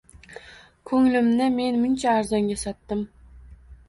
Ko‘nglimni men muncha arzonga sotdim